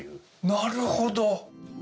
なるほど！